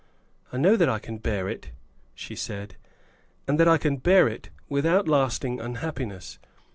"I know that I can bear it," she said, "and that I can bear it without lasting unhappiness.